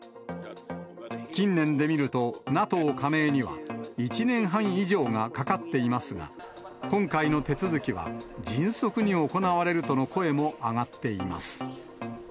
近年で見ると、ＮＡＴＯ加盟には１年半以上がかかっていますが、今回の手続きは、迅速に行われるとの声も上がっています。